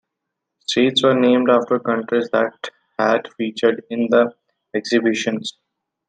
Streets were named after countries that had featured in the exhibitions.